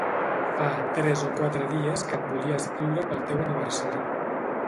Fa tres o quatre dies que et volia escriure pel teu aniversari.